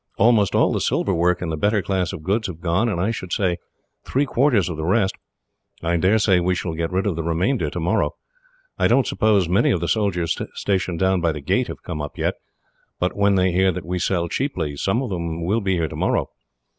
"Almost all the silver work and the better class of goods have gone, and I should say three quarters of the rest. I daresay we shall get rid of the remainder tomorrow. I don't suppose many of the soldiers stationed down by the gate have come up yet; but when they hear that we sell cheaply, some of them will be here tomorrow.